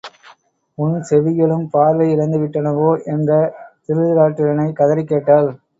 உன் செவிகளும் பார்வை இழந்து விட்டனவோ? என்ற திருதராட்டிரனைக் கதறிக் கேட்டாள்.